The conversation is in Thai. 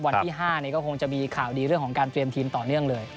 วันที่๕ก็คงจะมีข่าวดีเรื่องของการเตรียมทีมต่อเนื่องเลย